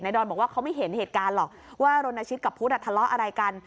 ดอนบอกว่าเขาไม่เห็นเหตุการณ์หรอกว่ารณชิตกับพุทธทะเลาะอะไรกัน